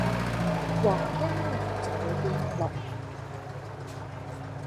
黃加藍就會變綠